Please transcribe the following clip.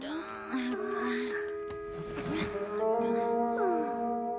はあ。